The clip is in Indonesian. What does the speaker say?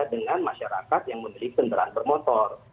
dengan masyarakat yang memiliki senderan bermotor